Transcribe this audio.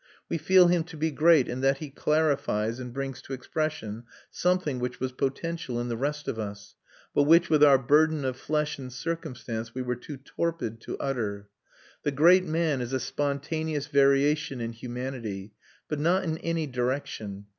We feel him to be great in that he clarifies and brings to expression something which was potential in the rest of us, but which with our burden of flesh and circumstance we were too torpid to utter. The great man is a spontaneous variation in humanity; but not in any direction.